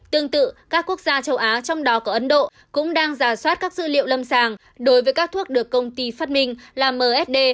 tương tự các quốc gia châu á trong đó có ấn độ cũng đang giả soát các dữ liệu lâm sàng đối với các thuốc được công ty phát minh là msd